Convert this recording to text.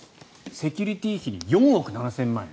セキュリティー費に４億７０００万円。